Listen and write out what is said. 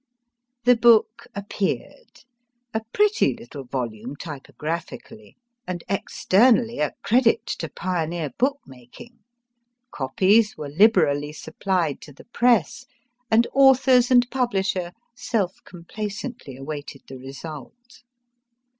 The book appeared a pretty little volume typographi cally, and externally a credit to pioneer book making. Copies were liberally supplied to the Press, and authors and publisher self corn placently awaited the result.